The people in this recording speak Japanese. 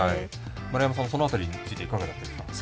丸山さんその辺りについていかがですか？